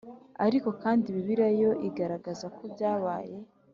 Ariko kandi Bibiliya yo igaragaza ko byabaye